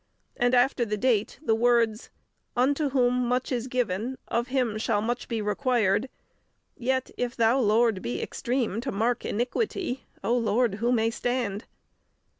And after the date the words, "Unto whom much is given, of him shall much be required; yet if Thou, Lord, be extreme to mark iniquity, O Lord, who may stand?"